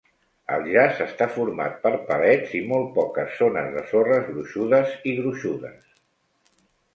El jaç està format per palets i molt poques zones de sorres gruixudes i gruixudes.